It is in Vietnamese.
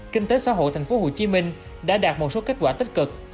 kinh tế xã hội tp hcm đã đạt một số kết quả tích cực